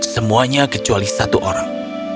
semuanya kecuali satu orang